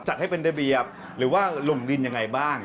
จัดให้เป็นระเบียบหรือว่าลงดินยังไงบ้าง